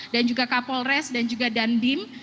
dan juga kapolres dan juga dandim